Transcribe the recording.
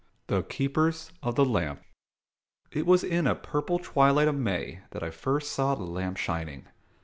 THE KEEPERS OF THE LAMP. It was in a purple twilight of May that I first saw the lamp shining.